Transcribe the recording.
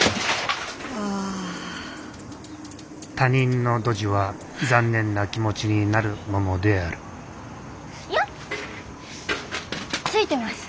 他人のドジは残念な気持ちになるももであるいやついてます。